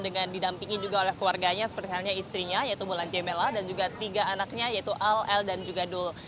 dengan didampingi juga oleh keluarganya seperti halnya istrinya yaitu bulan jemela dan juga tiga anaknya yaitu al el dan juga dul